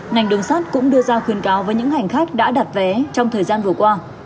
ngành đường sát cũng đưa ra khuyên cáo với những hành khách đã đặt vé trong thời gian vừa qua